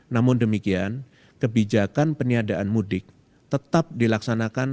namun demikian kebijakan peniadaan mudik tetap dilaksanakan